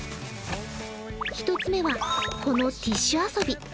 １つ目は、このティッシュ遊び。